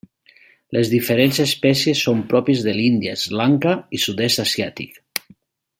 Les diferents espècies són pròpies de l'Índia, Sri Lanka i el sud-est asiàtic.